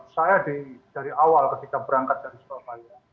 saya dari awal ketika berangkat dari surabaya